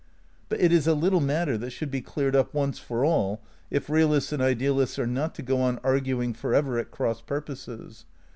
But it is a little matter that should be cleared up once for all, if realists and idealists are not to go on arguing forever at cross purposes.